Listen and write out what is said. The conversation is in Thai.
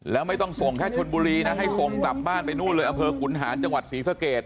แล้วไม่ต้องส่งแค่ชนบุรีเนี่ยให้ส่งไปบ้านไปนู้นเลยอำเภอขุนหารชสีสะเกรด